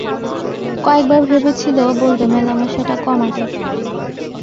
কয়েক বার ভেবেছিল বলবে মেলামেশাটা কমাতে।